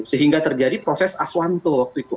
sehingga terjadi proses aswanto waktu itu